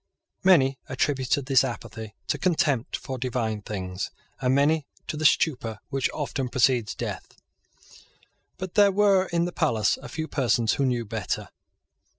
Many attributed this apathy to contempt for divine things, and many to the stupor which often precedes death. But there were in the palace a few persons who knew better.